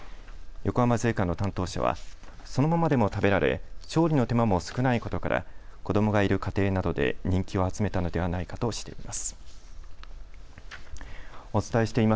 横浜税関の担当者はそのままでも食べられ調理の手間も少ないことから子どもがいる家庭などで人気を集めたのではないかとしています。